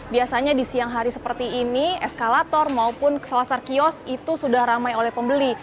biasanya di siang hari seperti ini eskalator maupun selasar kios itu sudah ramai oleh pembeli